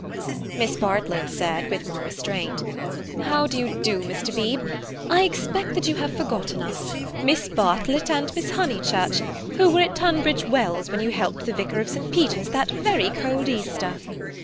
Miss Bartlett said, with more restraint: "How do you do, Mr. Beebe? I expect that you have forgotten us: Miss Bartlett and Miss Honeychurch, who were at Tunbridge Wells when you helped the Vicar of St. Peter's that very cold Easter."